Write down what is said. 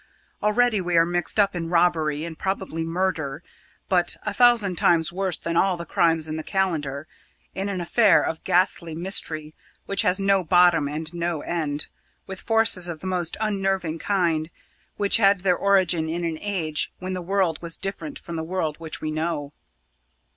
Already we are mixed up in robbery, and probably murder, but a thousand times worse than all the crimes in the calendar in an affair of ghastly mystery which has no bottom and no end with forces of the most unnerving kind, which had their origin in an age when the world was different from the world which we know.